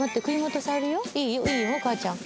お母ちゃん。